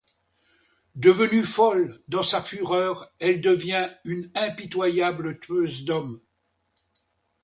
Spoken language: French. Devenue folle, dans sa fureur, elle devient une impitoyable tueuse d'hommes.